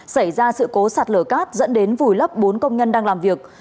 xảy ra sự cố sạt lở cát dẫn đến vùi lấp bốn công nhân đang làm việc